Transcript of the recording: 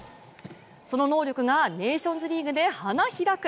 その能力がネーションズリーグで花開く。